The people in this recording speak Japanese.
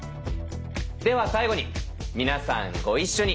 では最後に皆さんご一緒に。